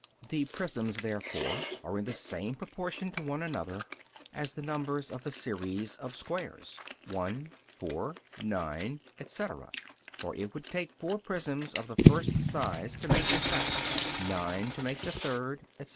The prisms therefore are in the same proportion to one another as the numbers of the series of squares (1, 4, 9, etc.), for it would take four prisms of the first size to make the second, nine to make the third, etc.